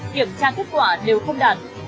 kiểm tra kết quả đều không đạt